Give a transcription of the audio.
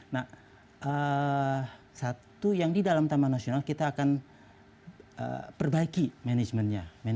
nah satu yang di dalam taman nasional kita akan perbaiki manajemennya